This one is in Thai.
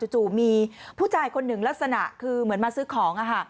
จู่มีผู้ชายคนหนึ่งลักษณะคือเหมือนมาซื้อของ